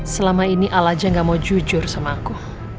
selama ini al aja gak mau jujur sama aku